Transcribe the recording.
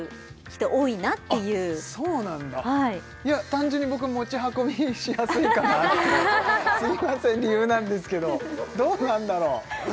単純に僕は持ち運びしやすいかなっていうすいません理由なんですけどどうなんだろう？